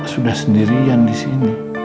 sudah sendirian disini